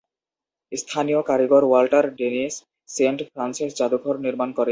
স্থানীয় কারিগর Walter Dennis Saint Frances জাদুঘর নির্মাণ করেন।